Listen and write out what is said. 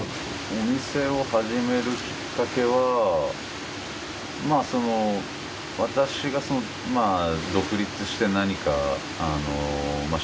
お店を始めるきっかけはまあ私が独立して何か商売を始めたい。